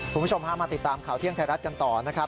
คุณผู้ชมพามาติดตามข่าวเที่ยงไทยรัฐกันต่อนะครับ